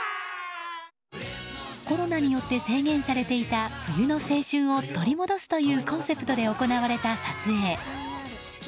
コロナによって制限されていた冬の青春を取り戻すというコンセプトで行われた撮影。